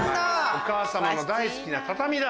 お母様の大好きな畳だ。